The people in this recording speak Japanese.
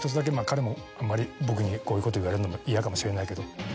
彼もあんまり僕にこういうこと言われるのも嫌かもしれないけど。